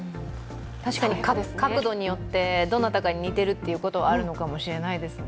確かに角度によってどなたかに似てるっていうのはあるのかもしれないですね。